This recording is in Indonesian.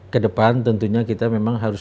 kedepan tentunya kita memang harus